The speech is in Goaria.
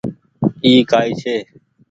اي ڪآئي ڇي ۔